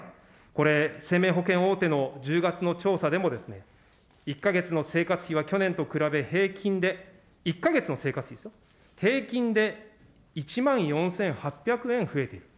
これ、生命保険大手の１０月の調査でも１か月の生活費は去年と比べ平均で、１か月の生活費ですよ、平均で１万４８００円増えている。